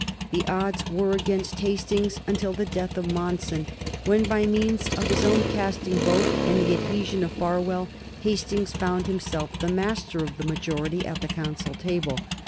The odds were against Hastings until the death of Monson, when, by means of his own casting vote and the adhesion of Barwell, Hastings found himself the master of the majority at the Council table.